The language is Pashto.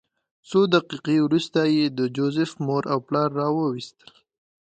څو دقیقې وروسته یې د جوزف مور او پلار راوویستل